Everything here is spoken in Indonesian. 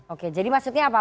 oke jadi maksudnya apa